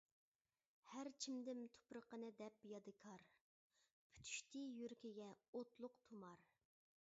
ھەر چىمدىم تۇپرىقىنى دەپ يادىكار، پۈتۈشتى يۈرىكىگە ئوتلۇق تۇمار.